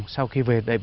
sau khi về địa phương